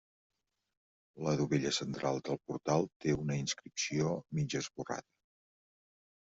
La dovella central del portal té una inscripció mig esborrada.